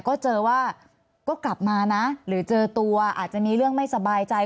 ก็เจอว่าก็กลับมานะหรือเจอตัวอาจจะมีเรื่องไม่สบายใจ